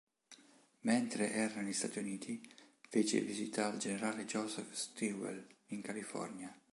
Mentre era negli Stati Uniti, fece visita al generale Joseph Stilwell, in California.